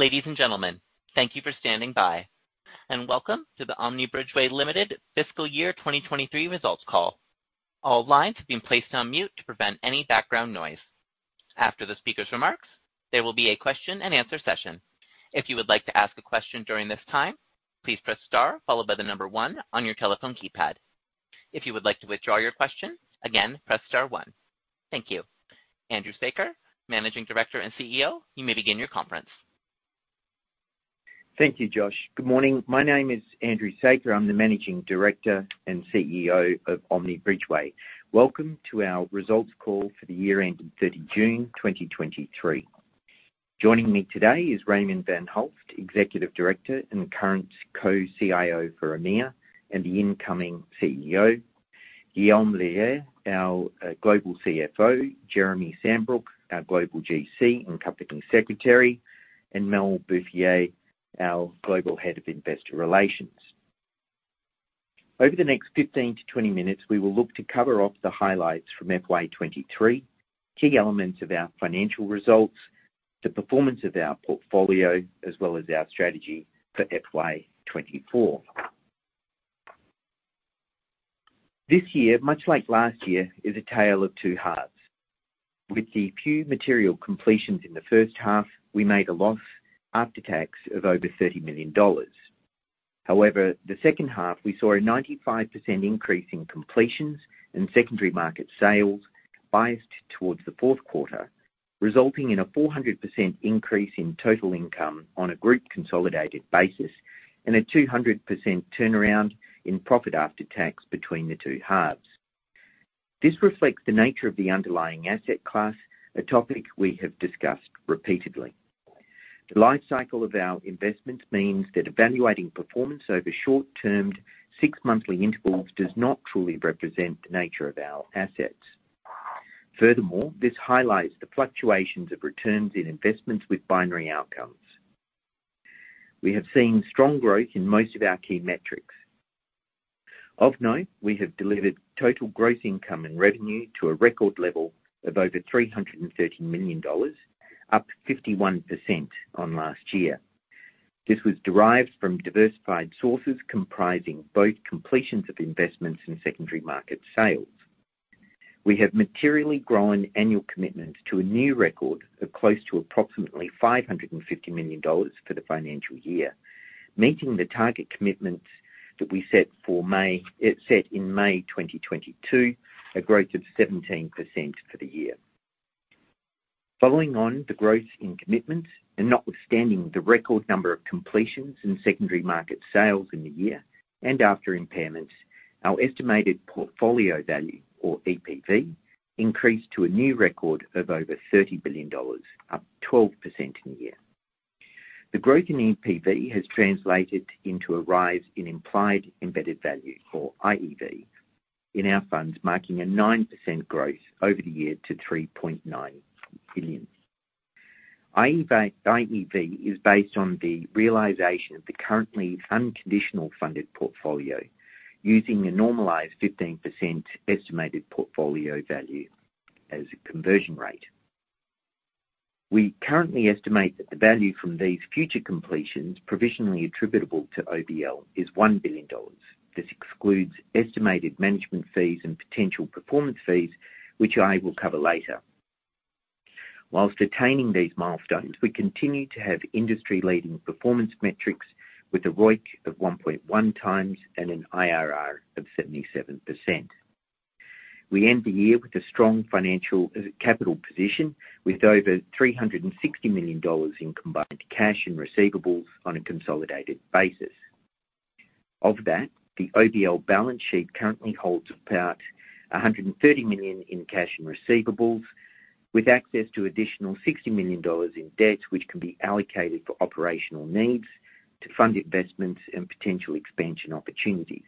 Ladies and gentlemen, thank you for standing by, and welcome to the Omni Bridgeway Limited Fiscal Year 2023 Results Call. All lines have been placed on mute to prevent any background noise. After the speaker's remarks, there will be a question-and-answer session. If you would like to ask a question during this time, please press star followed by 1 on your telephone keypad. If you would like to withdraw your question, again, press star 1. Thank you. Andrew Saker, Managing Director and CEO, you may begin your conference. Thank you, Josh. Good morning. My name is Andrew Saker. I'm the Managing Director and CEO of Omni Bridgeway. Welcome to our results call for the year ending June 30, 2023. Joining me today is Raymond van Hulst, Executive Director and current co-CIO for EMEA, and the incoming CEO, Guillaume Leger, our Global CFO, Jeremy Sambrook, our Global GC and Company Secretary, and Mel Buffier, our Global Head of Investor Relations. Over the next 15-20 minutes, we will look to cover off the highlights from FY 2023, key elements of our financial results, the performance of our portfolio, as well as our strategy for FY 2024. This year, much like last year, is a tale of two halves. With the few material completions in the first half, we made a loss after tax of over $30 million. However, the second half, we saw a 95% increase in completions and secondary market sales, biased towards the fourth quarter, resulting in a 400% increase in total income on a group consolidated basis and a 200% turnaround in profit after tax between the two halves. This reflects the nature of the underlying asset class, a topic we have discussed repeatedly. The life cycle of our investments means that evaluating performance over short-term, six-monthly intervals does not truly represent the nature of our assets. Furthermore, this highlights the fluctuations of returns in investments with binary outcomes. We have seen strong growth in most of our key metrics. Of note, we have delivered total gross income and revenue to a record level of over $330 million, up 51% on last year. This was derived from diversified sources, comprising both completions of investments and secondary market sales. We have materially grown annual commitment to a new record of close to approximately $550 million for the financial year, meeting the target commitments that we set for May, set in May 2022, a growth of 17% for the year. Following on the growth in commitments and notwithstanding the record number of completions and secondary market sales in the year, and after impairments, our Estimated Portfolio Value, or EPV, increased to a new record of over $30 billion, up 12% in a year. The growth in EPV has translated into a rise in implied embedded value, or IEV, in our funds, marking a 9% growth over the year to $3.9 billion. IEV is based on the realization of the currently unconditional funded portfolio, using a normalized 15% Estimated Portfolio Value as a conversion rate. We currently estimate that the value from these future completions, provisionally attributable to OBL, is $1 billion. This excludes estimated management fees and potential performance fees, which I will cover later. Whilst attaining these milestones, we continue to have industry-leading performance metrics with a ROIC of 1.1 times and an IRR of 77%. We end the year with a strong financial capital position, with over $360 million in combined cash and receivables on a consolidated basis. Of that, the OBL balance sheet currently holds about 130 million in cash and receivables, with access to additional 60 million dollars in debt, which can be allocated for operational needs to fund investments and potential expansion opportunities.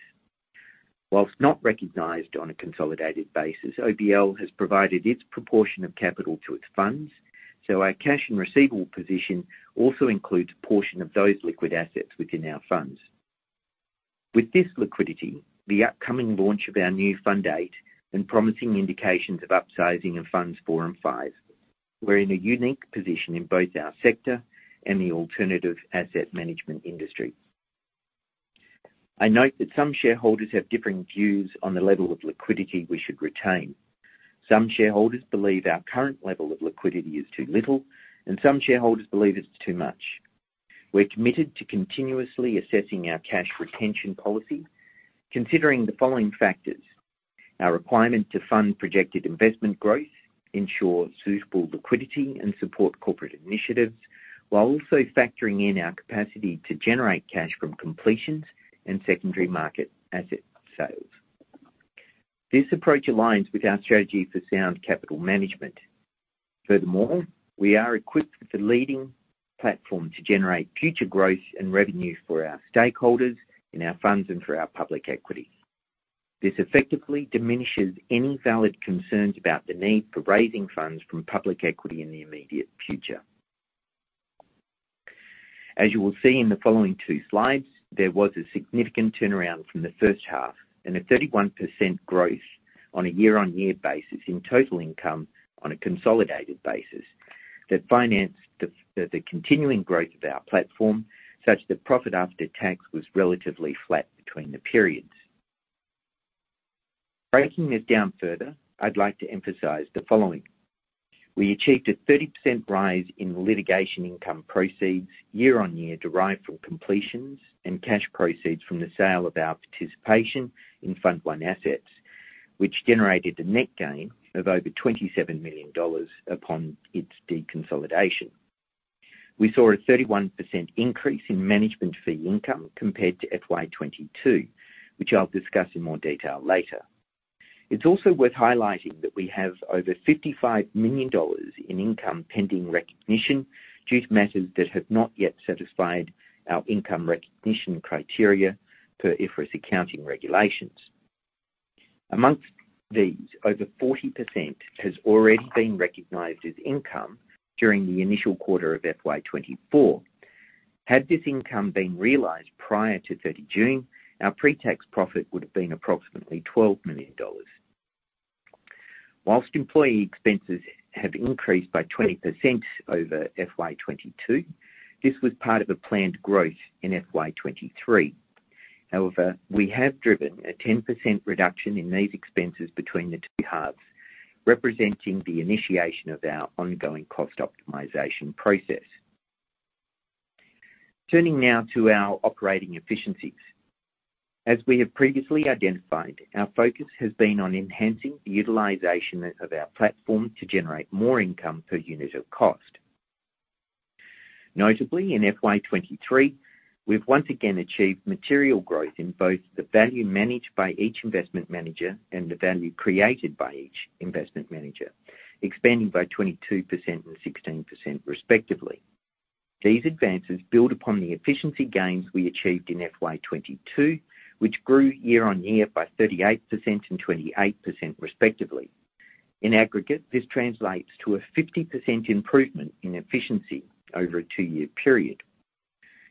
Not recognized on a consolidated basis, OBL has provided its proportion of capital to its funds, so our cash and receivable position also includes a portion of those liquid assets within our funds. With this liquidity, the upcoming launch of our new Fund 8 and promising indications of upsizing in Funds 4 and 5, we're in a unique position in both our sector and the alternative asset management industry. I note that some shareholders have differing views on the level of liquidity we should retain. Some shareholders believe our current level of liquidity is too little, and some shareholders believe it's too much. We're committed to continuously assessing our cash retention policy, considering the following factors: our requirement to fund projected investment growth, ensure suitable liquidity, and support corporate initiatives, while also factoring in our capacity to generate cash from completions and secondary market asset sales. This approach aligns with our strategy for sound capital management. Furthermore, we are equipped with a leading platform to generate future growth and revenue for our stakeholders, in our funds and for our public equity. This effectively diminishes any valid concerns about the need for raising funds from public equity in the immediate future. as you will see in the following two slides, there was a significant turnaround from the first half and a 31% growth on a year-on-year basis in total income on a consolidated basis, that financed the, the continuing growth of our platform, such that profit after tax was relatively flat between the periods. Breaking this down further, I'd like to emphasize the following: We achieved a 30% rise in litigation income proceeds year-on-year, derived from completions and cash proceeds from the sale of our participation in Fund 1 assets, which generated a net gain of over $27 million upon its deconsolidation. We saw a 31% increase in management fee income compared to FY 2022, which I'll discuss in more detail later. It's also worth highlighting that we have over 55 million dollars in income pending recognition due to matters that have not yet satisfied our income recognition criteria per IFRS accounting regulations. Amongst these, over 40% has already been recognized as income during the initial quarter of FY 2024. Had this income been realized prior to June 30, our pre-tax profit would have been approximately 12 million dollars. Employee expenses have increased by 20% over FY 2022, this was part of a planned growth in FY 2023. We have driven a 10% reduction in these expenses between the two halves, representing the initiation of our ongoing cost optimization process. Turning now to our operating efficiencies. As we have previously identified, our focus has been on enhancing the utilization of our platform to generate more income per unit of cost. Notably, in FY 2023, we've once again achieved material growth in both the value managed by each investment manager and the value created by each investment manager, expanding by 22% and 16% respectively. These advances build upon the efficiency gains we achieved in FY2022, which grew year-on-year by 38% and 28% respectively. In aggregate, this translates to a 50% improvement in efficiency over a two-year period.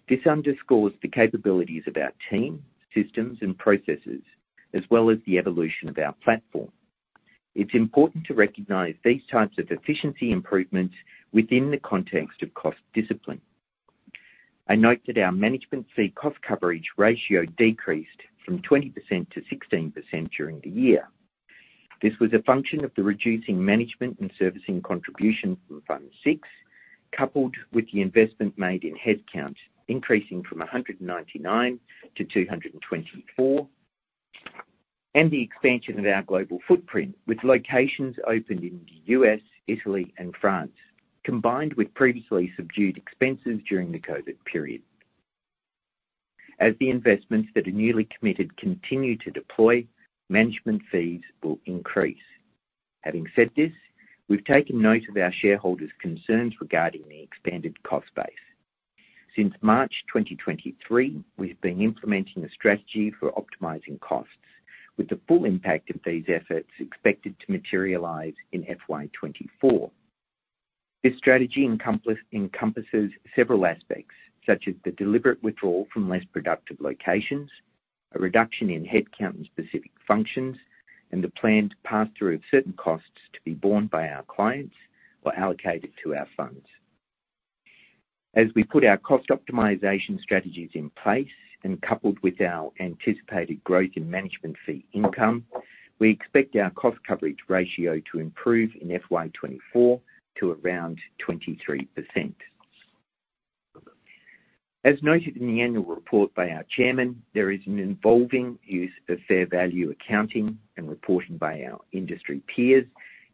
This underscores the capabilities of our team, systems, and processes, as well as the evolution of our platform. It's important to recognize these types of efficiency improvements within the context of cost discipline. I note that our management fee cost coverage ratio decreased from 20%-16% during the year. This was a function of the reducing management and servicing contribution from Fund 6, coupled with the investment made in headcount, increasing from 199-224, and the expansion of our global footprint, with locations opened in the U.S., Italy, and France, combined with previously subdued expenses during the COVID period. As the investments that are newly committed continue to deploy, management fees will increase. Having said this, we've taken note of our shareholders' concerns regarding the expanded cost base. Since March 2023, we've been implementing a strategy for optimizing costs, with the full impact of these efforts expected to materialize in FY 2024. This strategy encompasses several aspects, such as the deliberate withdrawal from less productive locations, a reduction in headcount in specific functions, and the planned pass-through of certain costs to be borne by our clients or allocated to our funds. As we put our cost optimization strategies in place and coupled with our anticipated growth in management fee income, we expect our cost coverage ratio to improve in FY 2024 to around 23%. As noted in the annual report by our chairman, there is an evolving use of fair value accounting and reporting by our industry peers,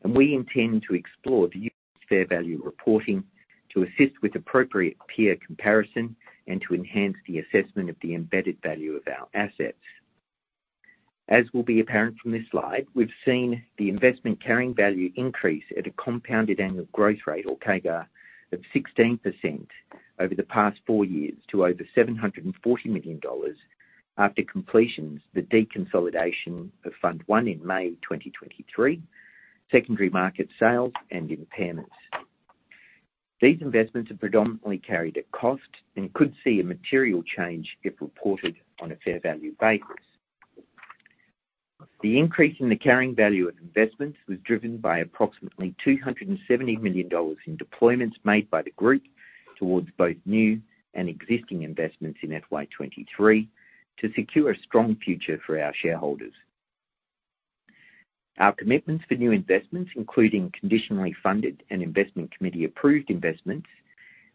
and we intend to explore the use of fair value reporting to assist with appropriate peer comparison and to enhance the assessment of the embedded value of our assets. As will be apparent from this slide, we've seen the investment carrying value increase at a compounded annual growth rate, or CAGR, of 16% over the past four years to over $740 million after completions, the deconsolidation of Fund 1 in May 2023, secondary market sales, and impairments. These investments are predominantly carried at cost and could see a material change if reported on a fair value basis. The increase in the carrying value of investments was driven by approximately $270 million in deployments made by the group towards both new and existing investments in FY 2023 to secure a strong future for our shareholders. Our commitments for new investments, including conditionally funded and investment committee-approved investments,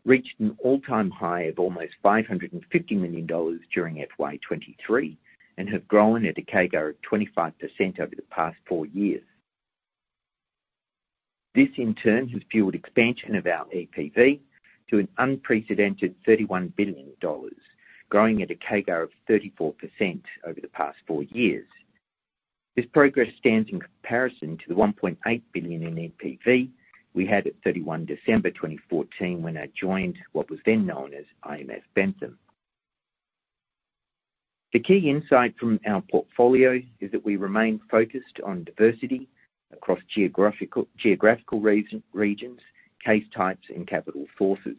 reached an all-time high of almost $550 million during FY 2023 and have grown at a CAGR of 25% over the past four years. This, in turn, has fueled expansion of our EPV to an unprecedented $31 billion, growing at a CAGR of 34% over the past four years. This progress stands in comparison to the $1.8 billion in EPV we had at December 31, 2014, when I joined what was then known as IMF Bentham. The key insight from our portfolio is that we remain focused on diversity across geographical regions, case types, and capital sources.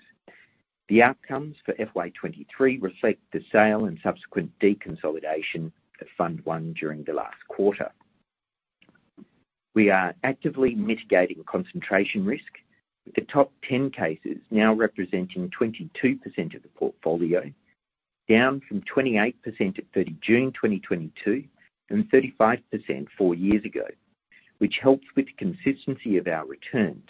The outcomes for FY 2023 reflect the sale and subsequent deconsolidation of Fund 1 during the last quarter. We are actively mitigating concentration risk, with the top 10 cases now representing 22% of the portfolio, down from 28% at 30 June 2022, and 35% four years ago, which helps with the consistency of our returns.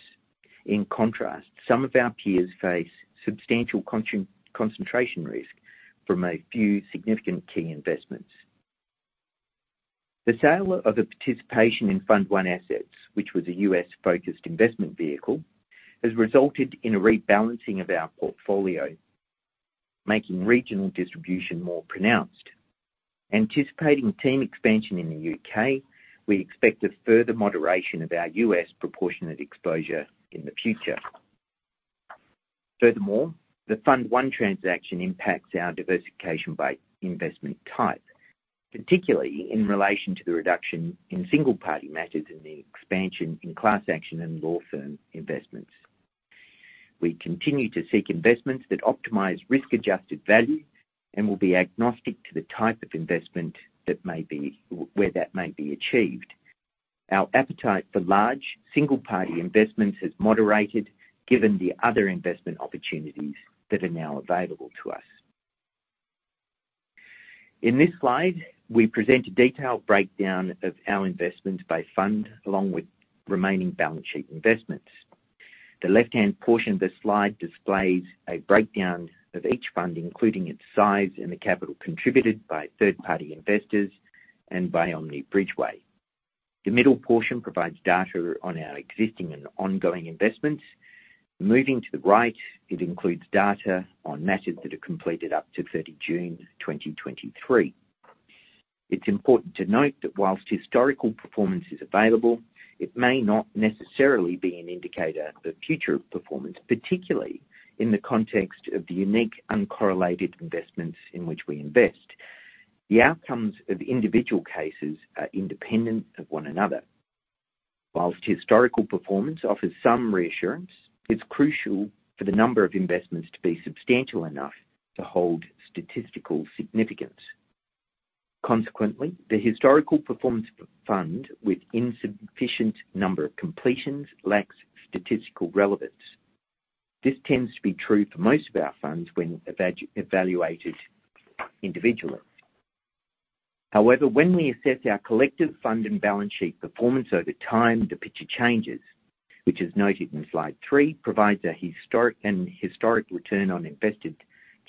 In contrast, some of our peers face substantial concentration risk from a few significant key investments. The sale of a participation in Fund 1 assets, which was a US-focused investment vehicle, has resulted in a rebalancing of our portfolio, making regional distribution more pronounced. Anticipating team expansion in the UK, we expect a further moderation of our US proportionate exposure in the future. Furthermore, the Fund 1 transaction impacts our diversification by investment type, particularly in relation to the reduction in single party matters and the expansion in class action and law firm investments. We continue to seek investments that optimize risk-adjusted value and will be agnostic to the type of investment where that may be achieved. Our appetite for large single-party investments has moderated, given the other investment opportunities that are now available to us. In this slide, we present a detailed breakdown of our investments by fund, along with remaining balance sheet investments. The left-hand portion of the slide displays a breakdown of each fund, including its size and the capital contributed by third-party investors and by Omni Bridgeway. The middle portion provides data on our existing and ongoing investments. Moving to the right, it includes data on matters that are completed up to 30 June 2023. It's important to note that whilst historical performance is available, it may not necessarily be an indicator of future performance, particularly in the context of the unique, uncorrelated investments in which we invest. The outcomes of individual cases are independent of one another. Whilst historical performance offers some reassurance, it's crucial for the number of investments to be substantial enough to hold statistical significance. Consequently, the historical performance of a fund with insufficient number of completions lacks statistical relevance. This tends to be true for most of our funds when evaluated individually. However, when we assess our collective fund and balance sheet performance over time, the picture changes, which is noted in Slide three, provides a historic and historic return on invested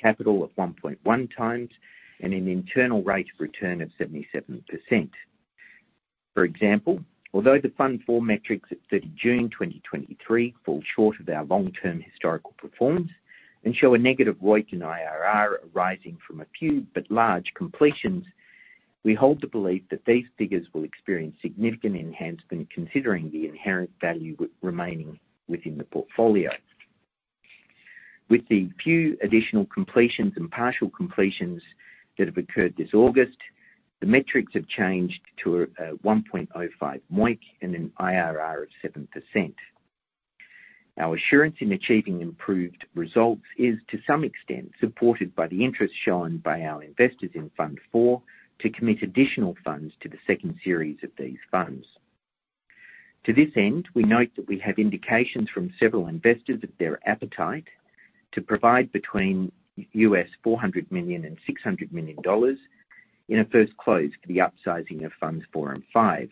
capital of 1.1 times and an internal rate of return of 77%. For example, although the Fund 4 metrics at 30 June 2023 fall short of our long-term historical performance and show a negative weight in IRR arising from a few but large completions, we hold the belief that these figures will experience significant enhancement, considering the inherent value remaining within the portfolio. With the few additional completions and partial completions that have occurred this August, the metrics have changed to a 1.05 MOIC and an IRR of 7%. Our assurance in achieving improved results is, to some extent, supported by the interest shown by our investors in Fund 4 to commit additional funds to the second series of these funds. To this end, we note that we have indications from several investors of their appetite to provide between $400 million and $600 million in a first close for the upsizing of Funds 4 and 5.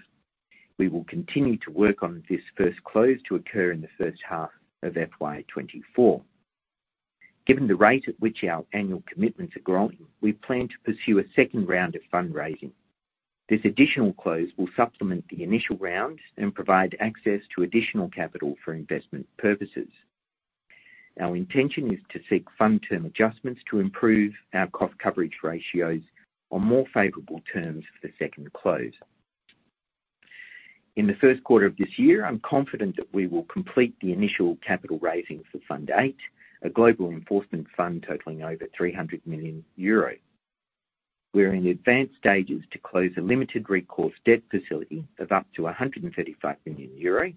We will continue to work on this first close to occur in the first half of FY 2024. Given the rate at which our annual commitments are growing, we plan to pursue a second round of fundraising. This additional close will supplement the initial round and provide access to additional capital for investment purposes. Our intention is to seek fund term adjustments to improve our cost coverage ratios on more favorable terms for the second close. In the first quarter of this year, I'm confident that we will complete the initial capital raising for Fund 8, a global enforcement fund totaling over 300 million euros. We're in the advanced stages to close a limited recourse debt facility of up to 135 million euro,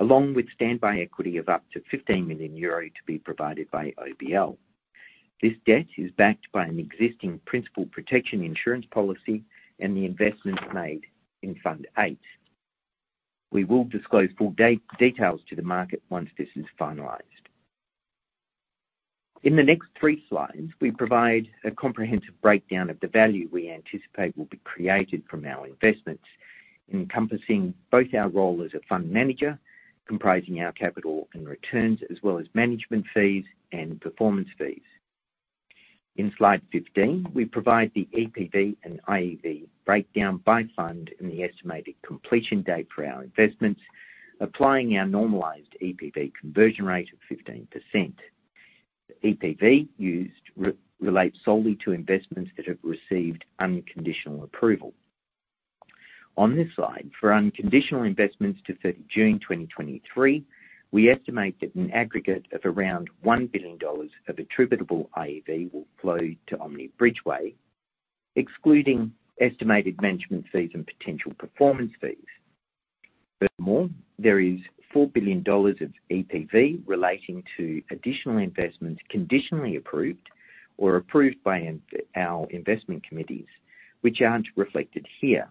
along with standby equity of up to 15 million euro to be provided by OBL. This debt is backed by an existing principal protection insurance policy and the investments made in Fund 8. We will disclose full details to the market once this is finalized. In the next three slides, we provide a comprehensive breakdown of the value we anticipate will be created from our investments, encompassing both our role as a fund manager, comprising our capital and returns, as well as management fees and performance fees. In Slide 15, we provide the EPV and IEV breakdown by fund and the estimated completion date for our investments, applying our normalized EPV conversion rate of 15%. The EPV used relates solely to investments that have received unconditional approval. On this slide, for unconditional investments to June 30, 2023, we estimate that an aggregate of around $1 billion of attributable IEV will flow to Omni Bridgeway, excluding estimated management fees and potential performance fees. Furthermore, there is $4 billion of EPV relating to additional investments conditionally approved or approved by our investment committees, which aren't reflected here.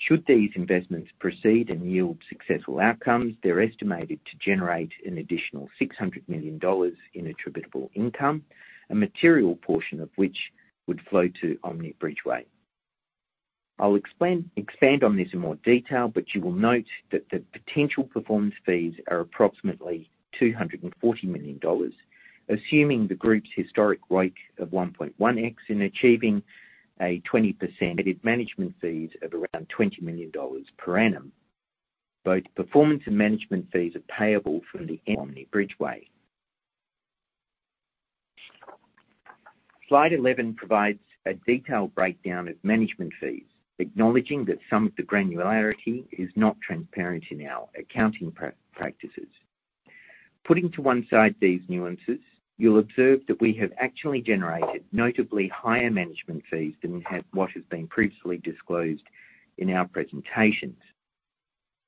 Should these investments proceed and yield successful outcomes, they're estimated to generate an additional $600 million in attributable income, a material portion of which would flow to Omni Bridgeway. I'll expand on this in more detail, but you will note that the potential performance fees are approximately 240 million dollars, assuming the group's historic rate of 1.1x in achieving a 20% management fees of around 20 million dollars per annum. Both performance and management fees are payable from the Omni Bridgeway. Slide 11 provides a detailed breakdown of management fees, acknowledging that some of the granularity is not transparent in our accounting practices. Putting to one side these nuances, you'll observe that we have actually generated notably higher management fees than we have, what has been previously disclosed in our presentations.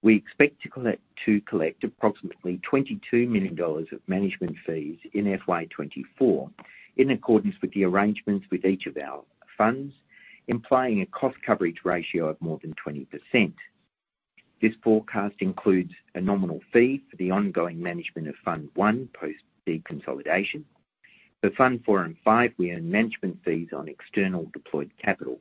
We expect to collect approximately 22 million dollars of management fees in FY 2024, in accordance with the arrangements with each of our funds, implying a cost coverage ratio of more than 20%. This forecast includes a nominal fee for the ongoing management of Fund 1 post the deconsolidation. For Fund 4 and 5, we earn management fees on external deployed capital.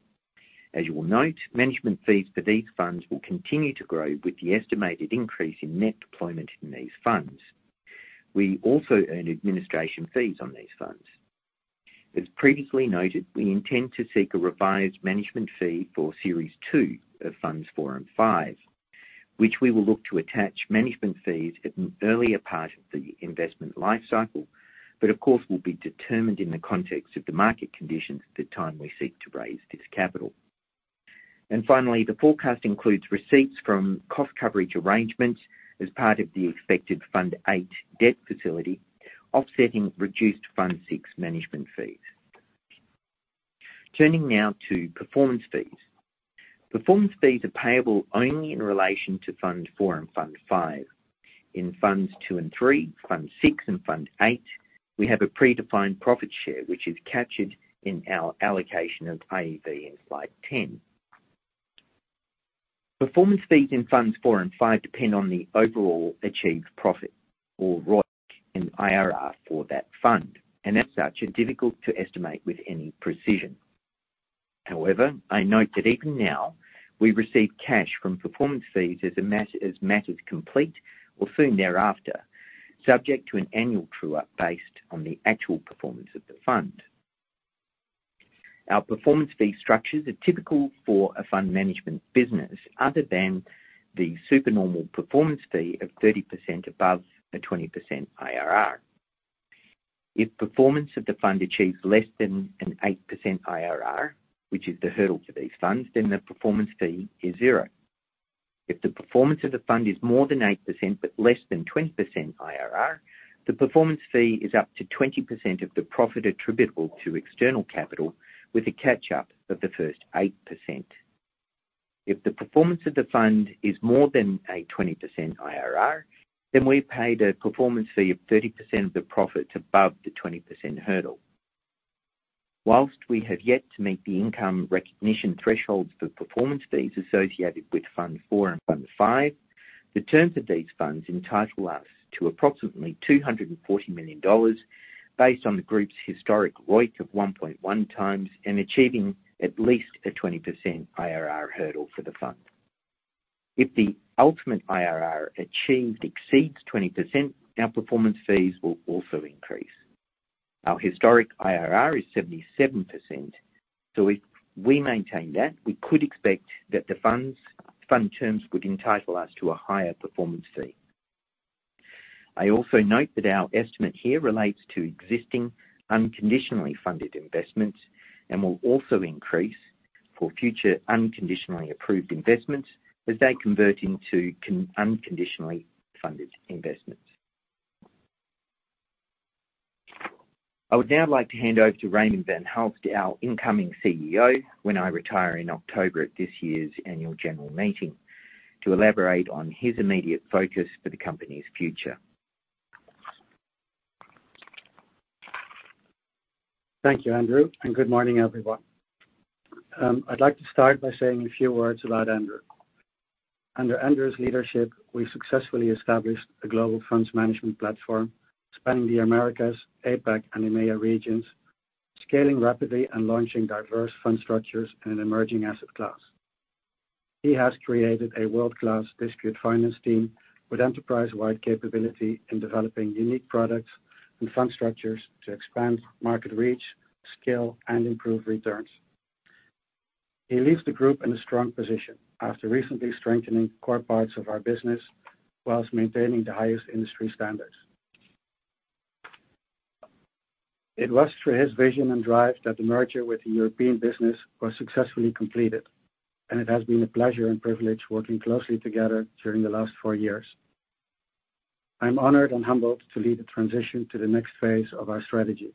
As you will note, management fees for these funds will continue to grow with the estimated increase in net deployment in these funds. We also earn administration fees on these funds. As previously noted, we intend to seek a revised management fee for Series II of Funds 4 and 5, which we will look to attach management fees at an earlier part of the investment life cycle, of course, will be determined in the context of the market conditions the time we seek to raise this capital. Finally, the forecast includes receipts from cost coverage arrangements as part of the expected Fund 8 debt facility, offsetting reduced Fund 6 management fees. Turning now to performance fees. Performance fees are payable only in relation to Fund 4 and Fund 5. In Funds 2 and 3, Fund 6 and Fund 8, we have a predefined profit share, which is captured in our allocation of IEV in slide 10. Performance fees in Fund 4 and Fund 5 depend on the overall achieved profit or ROIC and IRR for that fund, and as such, are difficult to estimate with any precision. However, I note that even now, we receive cash from performance fees as a matter, as matters complete or soon thereafter, subject to an annual true-up based on the actual performance of the fund. Our performance fee structures are typical for a fund management business, other than the supernormal performance fee of 30% above a 20% IRR. If performance of the fund achieves less than an 8% IRR, which is the hurdle for these funds, then the performance fee is zero. If the performance of the fund is more than 8%, but less than 20% IRR, the performance fee is up to 20% of the profit attributable to external capital, with a catch-up of the first 8%. If the performance of the fund is more than a 20% IRR, then we pay the performance fee of 30% of the profits above the 20% hurdle. Whilst we have yet to meet the income recognition thresholds for performance fees associated with Fund 4 and Fund 5, the terms of these funds entitle us to approximately 240 million dollars, based on the group's historic ROIC of 1.1x and achieving at least a 20% IRR hurdle for the fund. If the ultimate IRR achieved exceeds 20%, our performance fees will also increase. Our historic IRR is 77%, so if we maintain that, we could expect that the fund terms would entitle us to a higher performance fee. I also note that our estimate here relates to existing unconditionally funded investments, and will also increase for future unconditionally approved investments as they convert into unconditionally funded investments. I would now like to hand over to Raymond van Hulst, our incoming CEO, when I retire in October at this year's annual general meeting, to elaborate on his immediate focus for the company's future. Thank you, Andrew. Good morning, everyone. I'd like to start by saying a few words about Andrew. Under Andrew's leadership, we've successfully established a global funds management platform spanning the Americas, APAC, and EMEA regions, scaling rapidly and launching diverse fund structures in an emerging asset class. He has created a world-class dispute finance team with enterprise-wide capability in developing unique products and fund structures to expand market reach, scale, and improve returns. He leaves the group in a strong position after recently strengthening core parts of our business, whilst maintaining the highest industry standards. It was through his vision and drive that the merger with the European business was successfully completed, and it has been a pleasure and privilege working closely together during the last four years. I'm honored and humbled to lead the transition to the next phase of our strategy,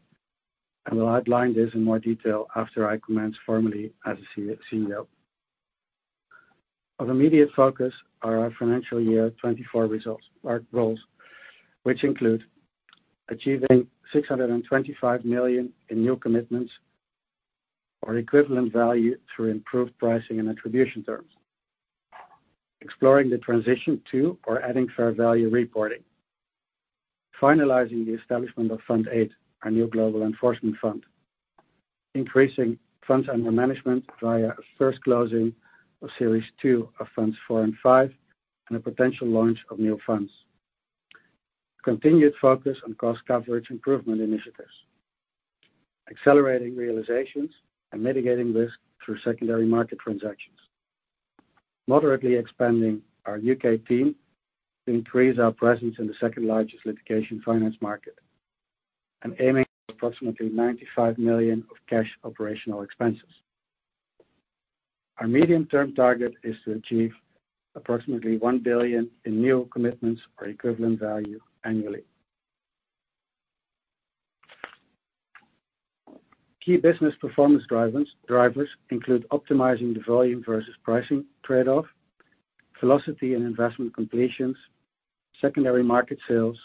and will outline this in more detail after I commence formally as the CEO. Of immediate focus are our financial year 2024 results, our goals, which include achieving 625 million in new commitments or equivalent value through improved pricing and attribution terms. Exploring the transition to or adding fair value reporting. Finalizing the establishment of Fund 8, our new global enforcement fund. Increasing funds under management via a first closing of Series II of Funds 4 and 5, and a potential launch of new funds. Continued focus on cost coverage improvement initiatives. Accelerating realizations and mitigating risk through secondary market transactions. Moderately expanding our UK team to increase our presence in the second-largest litigation finance market, and aiming for approximately 95 million of cash operational expenses. Our medium-term target is to achieve approximately 1 billion in new commitments or equivalent value annually. Key business performance drivers include optimizing the volume versus pricing trade-off, velocity and investment completions, secondary market sales,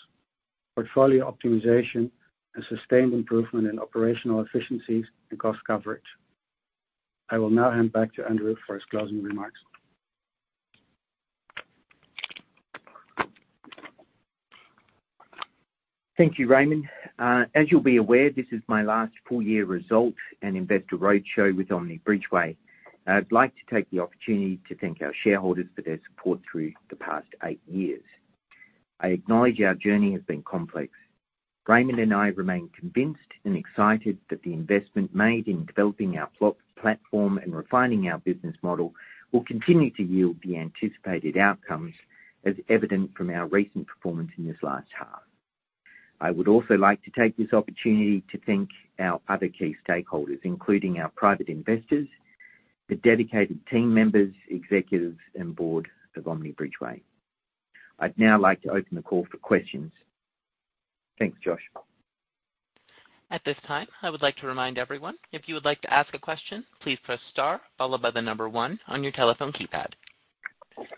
portfolio optimization, and sustained improvement in operational efficiencies and cost coverage. I will now hand back to Andrew for his closing remarks. Thank you, Raymond. As you'll be aware, this is my last full year result and investor roadshow with Omni Bridgeway. I'd like to take the opportunity to thank our shareholders for their support through the past eight years. I acknowledge our journey has been complex. Raymond and I remain convinced and excited that the investment made in developing our platform and refining our business model will continue to yield the anticipated outcomes, as evident from our recent performance in this last half. I would also like to take this opportunity to thank our other key stakeholders, including our private investors, the dedicated team members, executives, and board of Omni Bridgeway. I'd now like to open the call for questions. Thanks, Josh. At this time, I would like to remind everyone, if you would like to ask a question, please press star followed by 1 on your telephone keypad.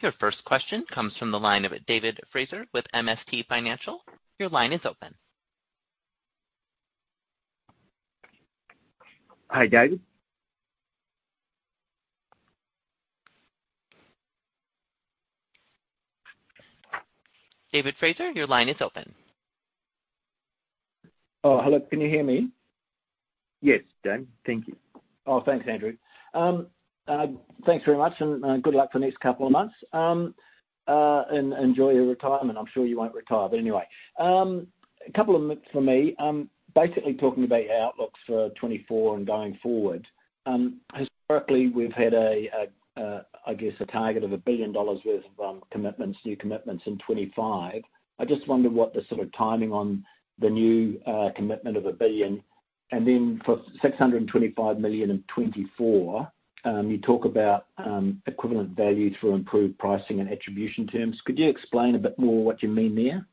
Your first question comes from the line of David Fraser with MST Financial. Your line is open. Hi, David. David Fraser, your line is open. Oh, hello. Can you hear me? Yes, Dave. Thank you. Thanks, Andrew. Thanks very much, and good luck for the next couple of months. And enjoy your retirement. I'm sure you won't retire, but anyway. A couple of notes from me. Basically talking about your outlook for 2024 and going forward, historically, we've had a, I guess, a target of $1 billion worth of commitments, new commitments in 2025. I just wonder what the sort of timing on the new commitment of $1 billion. Then for $625 million in 2024, you talk about equivalent value through improved pricing and attribution terms. Could you explain a bit more what you mean there?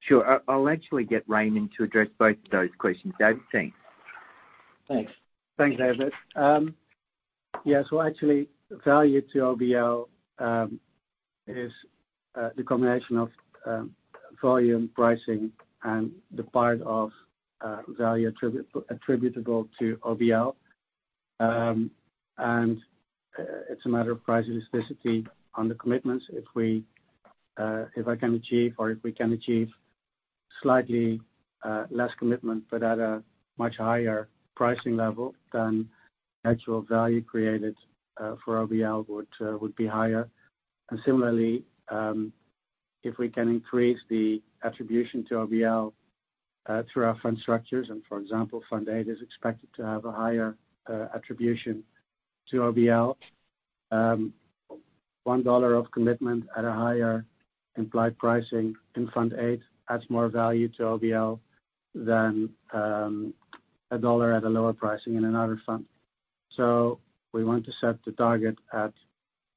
Sure. I, I'll actually get Raymond to address both of those questions, David. Thanks. Thanks. Thanks, David. Yeah, so actually, value to OBL is the combination of volume, pricing, and the part of value attribute, attributable to OBL. It's a matter of price elasticity on the commitments. If we, if I can achieve, or if we can achieve slightly less commitment but at a much higher pricing level than actual value created for OBL would be higher. Similarly, if we can increase the attribution to OBL through our fund structures, and for example, Fund 8 is expected to have a higher attribution to OBL, $1 of commitment at a higher implied pricing in Fund 8 adds more value to OBL than $1 at a lower pricing in another fund. We want to set the target at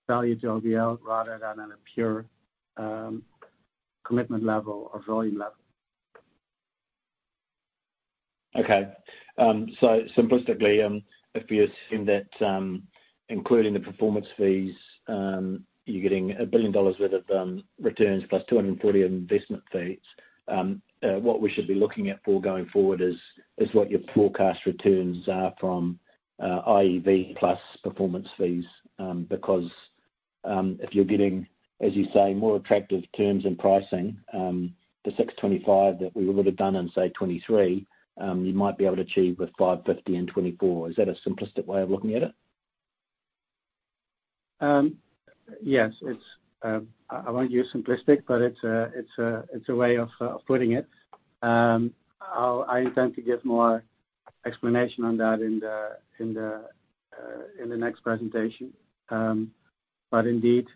value to OBL rather than at a pure commitment level or volume level. Okay. Simplistically, if you're seeing that, including the performance fees, you're getting $1 billion worth of returns, plus $240 investment fees, what we should be looking at for going forward is, is what your forecast returns are from IEV plus performance fees. Because, if you're getting, as you say, more attractive terms and pricing, the $625 that we would have done in, say, 2023, you might be able to achieve with $550 in 2024. Is that a simplistic way of looking at it? Yes. It's, I won't use simplistic, but it's a way of putting it. I intend to give more explanation on that in the next presentation. Indeed...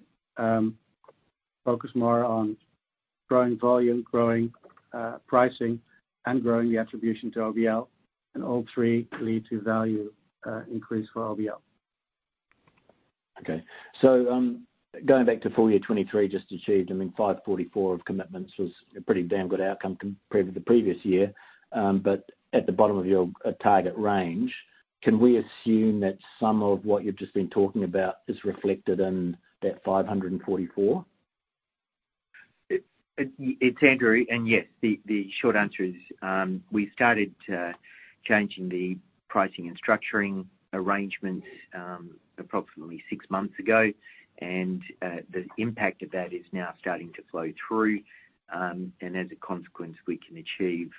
focus more on growing volume, growing, pricing, and growing the attribution to OBL. All three lead to value, increase for OBL. Okay. Going back to full year 2023, just achieved, I mean, 544 of commitments was a pretty damn good outcome compared to the previous year. But at the bottom of your target range, can we assume that some of what you've just been talking about is reflected in that 544? It's Andrew, and yes, the, the short answer is, we started changing the pricing and structuring arrangements, approximately six months ago. The impact of that is now starting to flow through. As a consequence, we can achieve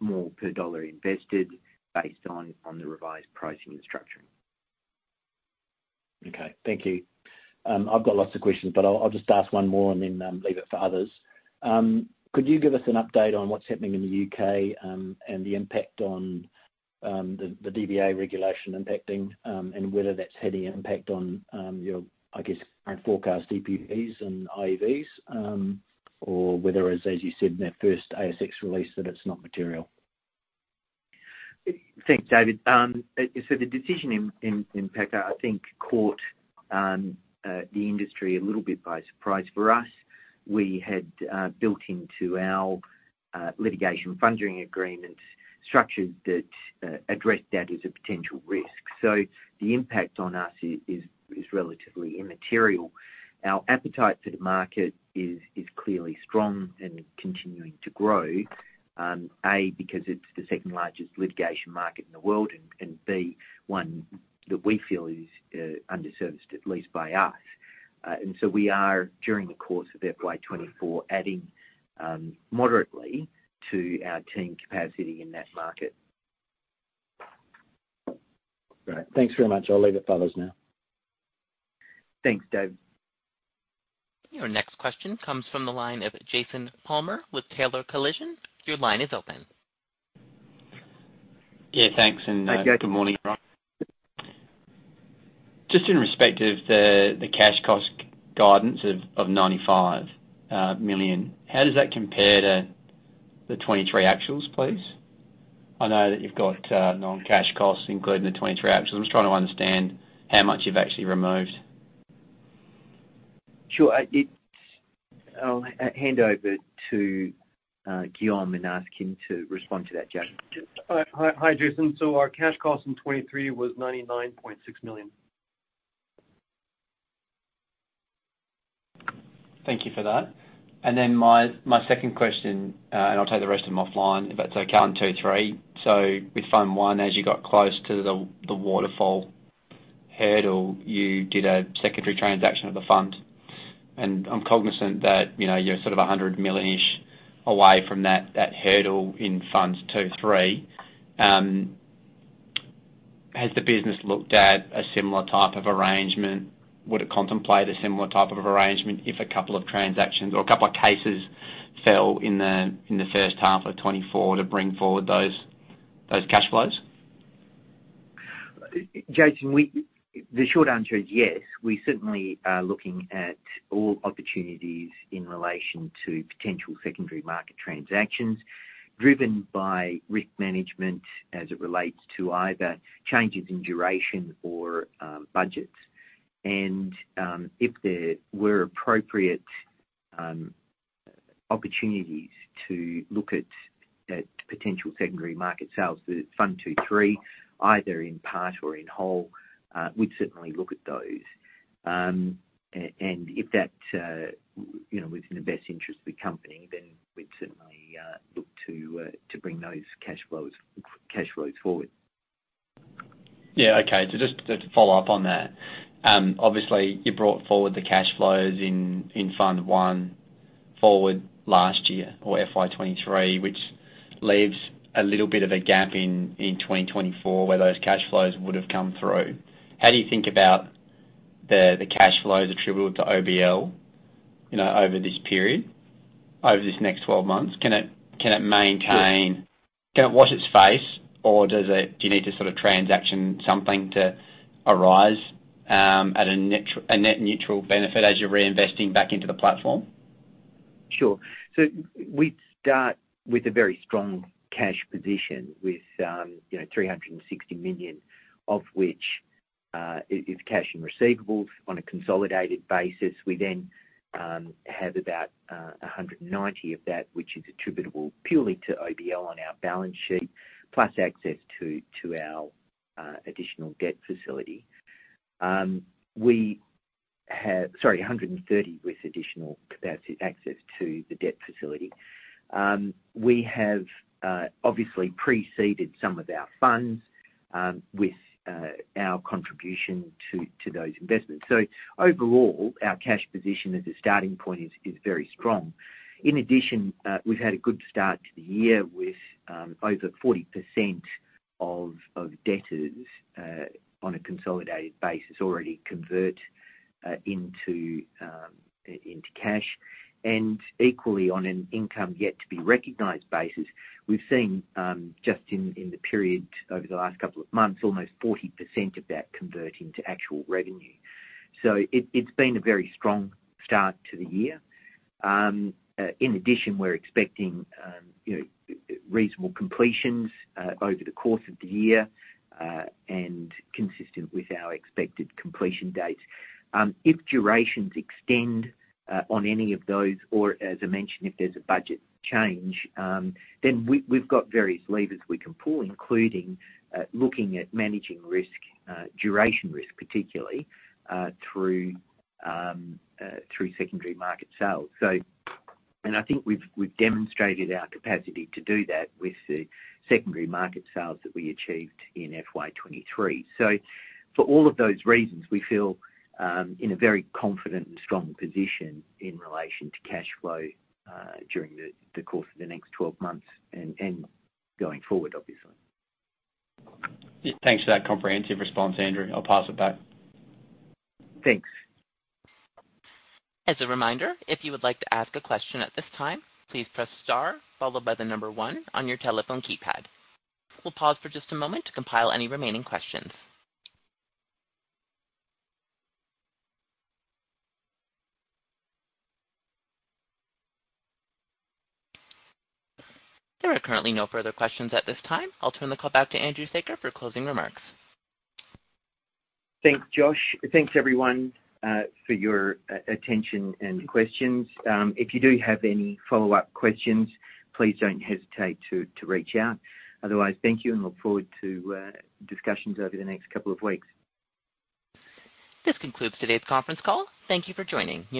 more per AUD invested based on, on the revised pricing and structuring. Okay, thank you. I've got lots of questions, but I'll, I'll just ask one more and then leave it for others. Could you give us an update on what's happening in the UK, and the impact on the, the DBA regulation impacting, and whether that's had any impact on your, I guess, current forecast EPV and IEVs, or whether, as, as you said in that first ASX release, that it's not material? Thanks, David. The decision in PACCAR, I think, caught the industry a little bit by surprise. For us, we had built into our litigation funding agreements structures that addressed that as a potential risk. The impact on us is relatively immaterial. Our appetite for the market is clearly strong and continuing to grow, A, because it's the second-largest litigation market in the world, and B, one that we feel is underserviced, at least by us. We are, during the course of FY 2024, adding moderately to our team capacity in that market. Great. Thanks very much. I'll leave it for others now. Thanks, David. Your next question comes from the line of Jason Palmer with Taylor Collison. Your line is open. Yeah, thanks. Hi, Jason... good morning, everyone. Just in respect of the, the cash cost guidance of 95 million, how does that compare to the 2023 actuals, please? I know that you've got non-cash costs included in the 2023 actuals. I'm just trying to understand how much you've actually removed. Sure. I'll hand over to Guillaume and ask him to respond to that, Jason. Hi, hi, hi, Jason. Our cash cost in FY 2023 was 99.6 million. Thank you for that. My, my second question, and I'll take the rest of them offline, if that's okay, on 2, 3: With Fund 1, as you got close to the, the waterfall hurdle, you did a secondary transaction of the fund. I'm cognizant that, you know, you're sort of 100 million-ish away from that, that hurdle in Funds 2 and 3. Has the business looked at a similar type of arrangement? Would it contemplate a similar type of arrangement if a couple of transactions or a couple of cases fell in the, in the first half of 2024 to bring forward those, those cash flows? Jason, we, the short answer is yes. We certainly are looking at all opportunities in relation to potential secondary market transactions, driven by risk management as it relates to either changes in duration or budgets. If there were appropriate opportunities to look at potential secondary market sales for Fund 2, 3, either in part or in whole, we'd certainly look at those. If that, you know, was in the best interest of the company, then we'd certainly look to bring those cash flows, cash flows forward. Yeah, okay. Just to follow up on that, obviously, you brought forward the cash flows in, in Fund 1 forward last year, or FY 2023, which leaves a little bit of a gap in, in 2024, where those cash flows would have come through. How do you think about the, the cash flows attributable to OBL over this period, over this next 12 months? Can it, can it maintain- Sure. Can it wash its face, or do you need to sort of transaction something to arise, at a net neutral benefit as you're reinvesting back into the platform? Sure. We'd start with a very strong cash position with, you know, $360 million, of which is cash and receivables on a consolidated basis. We have about $190 of that, which is attributable purely to OBL on our balance sheet, plus access to our additional debt facility. We have $130 with additional capacity, access to the debt facility. We have obviously preceded some of our funds with our contribution to those investments. Overall, our cash position as a starting point is very strong. In addition, we've had a good start to the year with over 40% of debtors on a consolidated basis, already convert into cash. Equally, on an income yet to be recognized basis, we've seen, just in, in the period over the last couple of months, almost 40% of that convert into actual revenue. It, it's been a very strong start to the year. In addition, we're expecting, you know, reasonable completions over the course of the year, and consistent with our expected completion dates. If durations extend on any of those, or as I mentioned, if there's a budget change, then we've got various levers we can pull, including looking at managing risk, duration risk, particularly, through secondary market sales. I think we've, we've demonstrated our capacity to do that with the secondary market sales that we achieved in FY 2023. For all of those reasons, we feel in a very confident and strong position in relation to cash flow during the course of the next 12 months and going forward, obviously. Yeah. Thanks for that comprehensive response, Andrew. I'll pass it back. Thanks. As a reminder, if you would like to ask a question at this time, please press star, followed by the number one on your telephone keypad. We'll pause for just a moment to compile any remaining questions. There are currently no further questions at this time. I'll turn the call back to Andrew Saker for closing remarks. Thanks, Josh. Thanks, everyone, for your attention and questions. If you do have any follow-up questions, please don't hesitate to, to reach out. Otherwise, thank you, and look forward to discussions over the next couple of weeks. This concludes today's conference call. Thank you for joining.